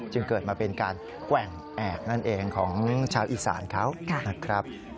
จึงเกิดมาเป็นการแกว่งแอบนั่นเองของชาวอีสานเขานะครับ